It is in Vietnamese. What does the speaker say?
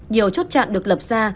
nhiều chốt chạn được lập ra